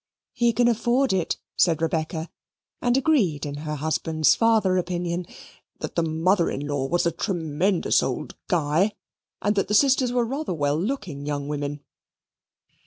"He can afford it," said Rebecca and agreed in her husband's farther opinion "that the mother in law was a tremendous old Guy and that the sisters were rather well looking young women."